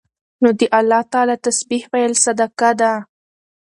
نو د الله تعالی تسبيح ويل صدقه ده